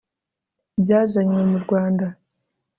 byazanywe mu rwanda